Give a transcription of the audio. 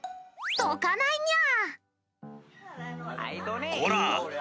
どかないにゃ。